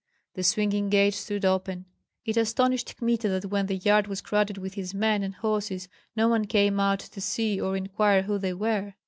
The swinging gate stood open. It astonished Kmita that when the yard was crowded with his men and horses no one came out to see or inquire who they were.